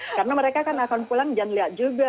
karena mereka kan akan pulang dan lihat juga